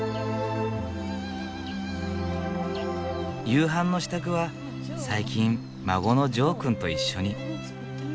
夕飯の支度は最近孫のジョーくんと一緒に。